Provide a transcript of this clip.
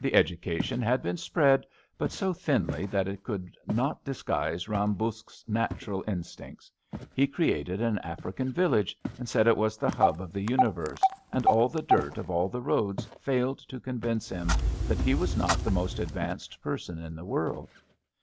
The education had been spread, but so thinly that it could not disguise Bam Buksh 's natural instincts. He created an African village, and said it was the hub of the universe, and all the dirt of all the roads failed to <5onvince him that he was not the most ad vanced person in the world.